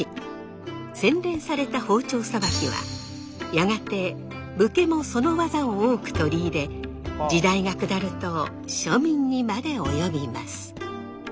洗練された包丁さばきはやがて武家もその技を多く取り入れ時代が下ると庶民にまで及びます。